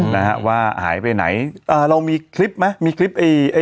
นะฮะว่าหายไปไหนอ่าเรามีคลิปไหมมีคลิปไอ้ไอ้